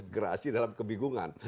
gerasi dalam kebingungan